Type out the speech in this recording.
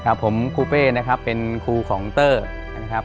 ครับผมครูเป้นะครับเป็นครูของเตอร์นะครับ